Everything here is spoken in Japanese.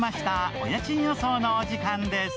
お家賃予想のお時間です。